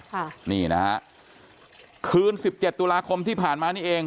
ค่ะนี่นะฮะคืนสิบเจ็ดตุลาคมที่ผ่านมานี่เอง